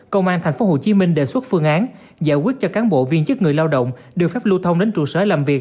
công an tp hcm đề xuất phương án giải quyết cho cán bộ viên chức người lao động được phép lưu thông đến trụ sở làm việc